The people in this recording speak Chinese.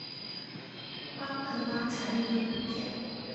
阿曼蛙蟾鱼的图片